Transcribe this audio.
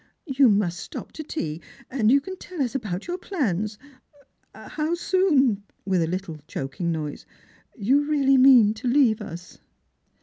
You must stop to tea, and you can tell us about your plans ; how soon," with a little choking noise, " you really mean to leave us."